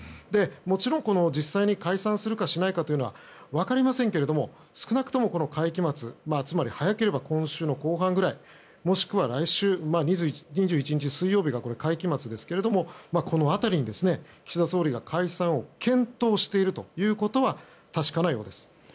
もちろん実際に解散するかしないかというのは分かりませんけれども少なくとも、この会期末つまり早ければ今週の後半くらいもしくは来週、２１日水曜日が会期末ですけれどもこの辺りに岸田総理が解散を検討しているということは確かなようです。